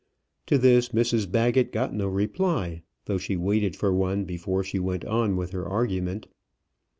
To this Mrs Baggett got no reply, though she waited for one before she went on with her argument.